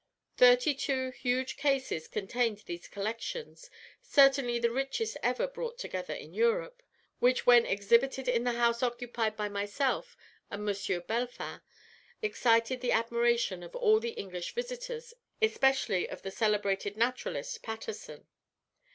Thirty two huge cases contained these collections, certainly the richest ever brought together in Europe, which when exhibited in the house occupied by myself and M. Bellefin, excited the admiration of all the English visitors, especially of the celebrated naturalist, Paterson.